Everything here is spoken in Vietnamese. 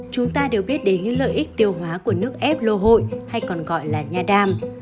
chúng ta đều biết đến những lợi ích tiêu hóa của nước ép lô hội hay còn gọi là nha đam